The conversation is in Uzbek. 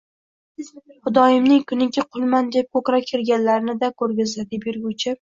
Xudoyimning kuniki, “qulman” deb ko’krak kerganlarni-da ko’rgizdi!” deb yurguvchi